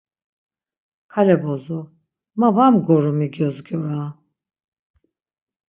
Kale bozo, ma var mgorum-i gyozgyora!